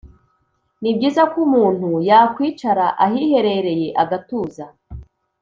Ni byiza ko umuntu yakwicara ahiherereye agatuza,